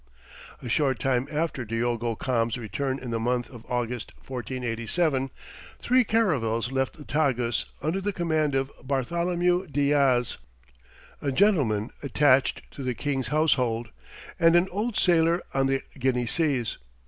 A short time after Diogo Cam's return in the month of August, 1487, three caravels left the Tagus under the command of Bartholomew Diaz, a gentleman attached to the king's household, and an old sailor on the Guinea seas.